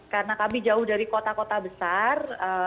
karena kami jauh dari kota kota besar